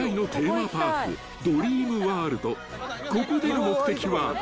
［ここでの目的は］